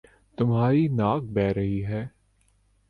تمہاری ناک بہ رہی ہے